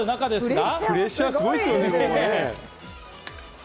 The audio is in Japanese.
もうプレッシャーがすごいですよね。